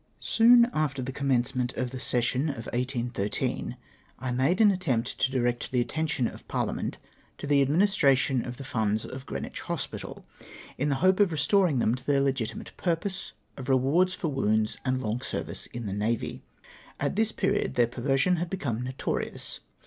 Soon after the commencement of the session of 1813, I made an attempt to direct the attention of Parhament to the administration of the funds of Greenwich Hospital, in the hope of restoring them to their legitimate purpose of rewards for wounds and long service in the navy. At this period their perversion had become notorious.